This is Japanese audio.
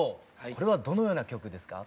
これはどのような曲ですか？